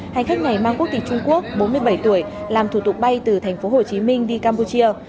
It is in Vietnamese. hành khách này mang quốc tịch trung quốc bốn mươi bảy tuổi làm thủ tục bay từ tp hcm đi campuchia